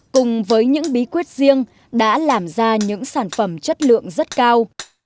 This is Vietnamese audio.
cùng với những bí quyết riêng đã làm ra những sản phẩm chất lượng rất cao